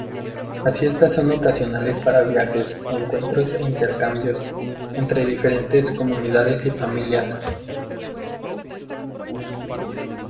Las fiestas son ocasiones para viajes, encuentros e intercambios, entre diferentes comunidades y familias.